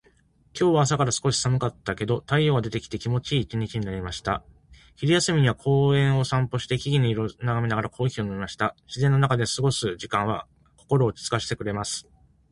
今日は朝から少し寒かったけれど、太陽が出てきて気持ちのいい一日になりました。昼休みには公園を散歩して、木々の色づきを眺めながらコーヒーを飲みました。自然の中で過ごす時間は心を落ち着かせてくれます。